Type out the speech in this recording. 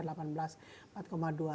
ya di atas usia delapan belas